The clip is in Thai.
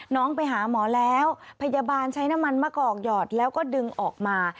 น้องไปหาหมอแล้วพยาบาลใช้น้ำมันมะกอกหยอดแล้วก็ดึงออกมา